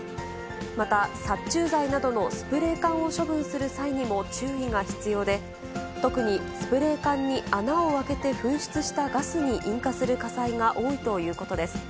また殺虫剤などのスプレー缶を処分する際にも注意が必要で、特にスプレー缶に穴を開けて噴出したガスに引火する火災が多いということです。